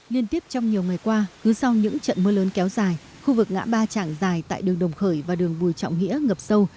liên tiếp trong nhiều ngày qua cứ sau những trận mưa lớn kéo dài khu vực ngã ba trạng dài tại đường đồng khởi và đường bùi trọng nghĩa ngập sâu